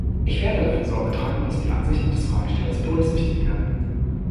Ich werde dafür Sorge tragen, dass die Ansichten des Fragestellers berücksichtigt werden.